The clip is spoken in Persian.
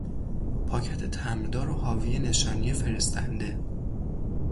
پاکت تمبردار و حاوی نشانی فرستنده